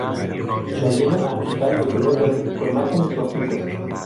La yema apical de color verde con márgenes rojizos.